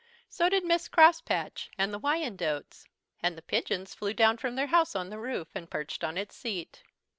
So did Miss Crosspatch and the Wyandottes; and the pigeons flew down from their house on the roof and perched on its seat.